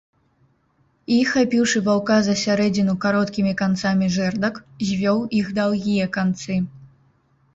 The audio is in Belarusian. І, хапіўшы ваўка за сярэдзіну кароткімі канцамі жэрдак, звёў іх даўгія канцы.